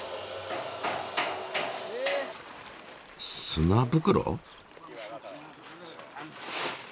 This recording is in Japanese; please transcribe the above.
砂袋？